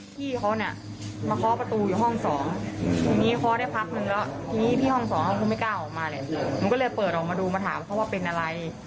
พี่เขาเนี่ยมาค้อประตูอยู่ห้อง๒ทีนี้เขาได้พักนึงแล้วทีนี้พี่ห้อง๒ไม่กล้าออกมาเลยผมก็เลยเปิดออกมาดูมาถามเขาว่าเป็นอะไร